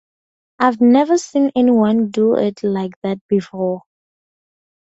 I’ve never seen anyone do it like that before.